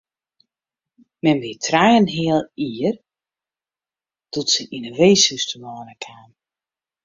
Mem wie trije en in heal jier doe't se yn in weeshûs telâne kaam.